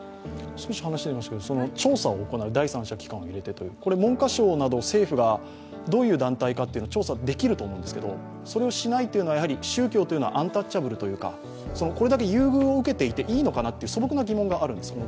調査を行う、第三者を入れてという、文部科学省などがどういう団体か、政府が調査できると思うんですけど、それをしないというのは、やはり宗教というのはアンタッチャブルというか、これだけ優遇を受けていていいのかなという素朴な疑問があるんです。